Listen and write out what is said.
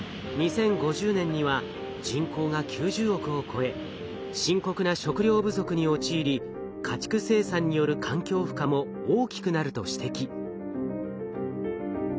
２０５０年には人口が９０億を超え深刻な食糧不足に陥り家畜生産による環境負荷も大きくなると指摘。